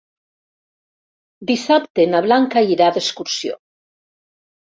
Dissabte na Blanca irà d'excursió.